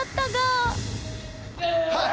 はい！